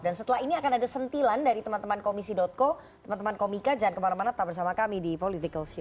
dan setelah ini akan ada sentilan dari teman teman komisi co teman teman komika jangan kemana mana tetap bersama kami di political show